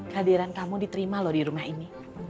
kehadiran kamu diterima loh di rumah ini